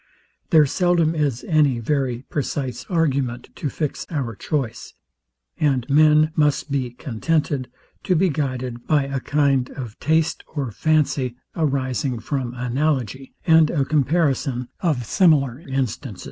There seldom is any very precise argument to fix our choice, and men must be contented to be guided by a kind of taste or fancy, arising from analogy, and a comparison of familiar instances.